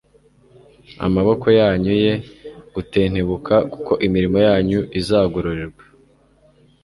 amaboko yanyu ye gutentebuka kuko imirimo yanyu izagororerwa